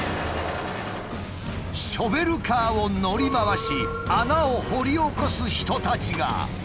ショベルカーを乗り回し穴を掘り起こす人たちが。